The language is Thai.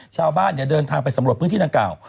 ชาวบ้านเดินทางไปสำรวจพื้นที่ดังกล่าว